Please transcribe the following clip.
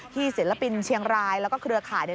ศิลปินเชียงรายแล้วก็เครือข่าย